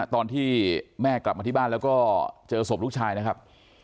ตอนที่แม่กลับมาที่บ้านแล้วก็เจอศพลูกชายนะครับ